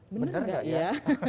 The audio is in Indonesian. benar gak ya